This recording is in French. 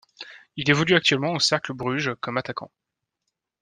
Il évolue actuellement au Cercle Bruges comme attaquant.